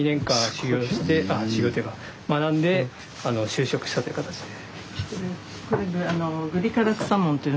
就職したっていう形で。